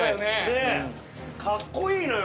ねえかっこいいのよ